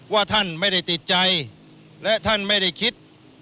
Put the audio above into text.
ว่าท่านไม่ได้ติดใจและท่านไม่ได้คิด